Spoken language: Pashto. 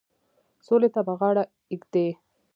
سولي ته به غاړه ایږدي.